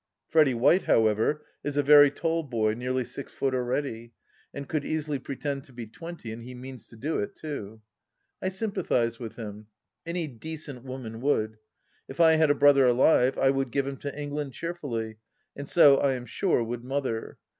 Freddy White, however, is a very tall boy, nearly six foot already, and could easily pretend to be twenty, and he means to do it, too. I sympathize with him. Any decent woman would. If I had a brother alive, I would give him to England cheer fully, and so I am sure would Mother.